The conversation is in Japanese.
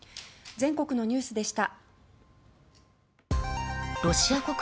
全国のニュースでした。